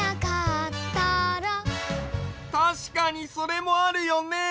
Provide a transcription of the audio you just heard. たしかにそれもあるよね。